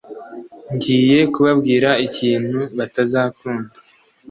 ngiye kubabwira ikintu batazakunda: